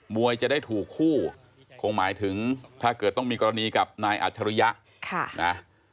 วยจะได้ถูกคู่คงหมายถึงถ้าเกิดต้องมีกรณีกับนายอัจฉริยะนะ